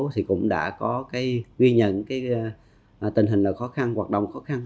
thì cũng đã có cái ghi nhận cái tình hình là khó khăn hoạt động khó khăn